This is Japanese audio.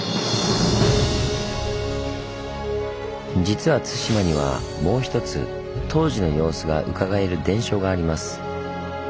実は対馬にはもう一つ当時の様子がうかがえる伝承があります。